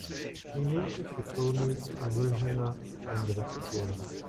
Minute für Tonny Vilhena eingewechselt wurde.